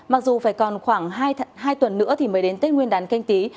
mặc dù phải còn khoảng hai tuần nữa thì mới đến tết nguyên đán canh tí